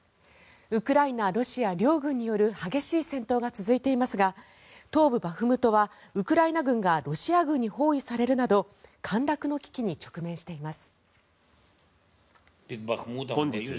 ウクライナ・ロシア両軍による激しい戦闘が続いていますが東部バフムトはウクライナ軍がロシア軍に包囲されるなど陥落の危機に直面しています。